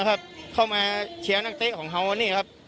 ครับเข้ามาเชียวนักเต๊ะของฮาวนี่ครับ